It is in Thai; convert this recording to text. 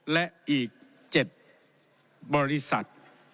และอีก๗บริษัท